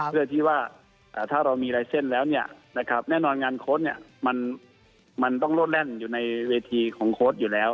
เพื่อที่ว่าถ้าเรามีลายเส้นแล้วแน่นอนงานโค้ดมันต้องโลดแร่นอยู่ในเวทีของโค้ดอยู่แล้ว